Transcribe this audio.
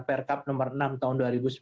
prkp nomor enam tahun dua ribu sembilan belas